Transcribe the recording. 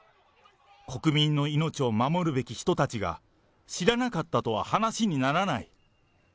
国民の命を守るべき人たちが、知らなかったとは話にならない。